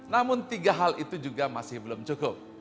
namun tiga hal itu juga masih belum cukup